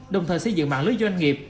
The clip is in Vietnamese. đồng thời xây dựng mạng lưới doanh nghiệp